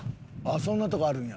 そんなとこあるんや。